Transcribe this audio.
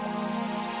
nah peace out dadang